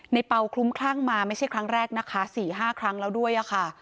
เปล่าคลุ้มคลั่งมาไม่ใช่ครั้งแรกนะคะ๔๕ครั้งแล้วด้วยค่ะ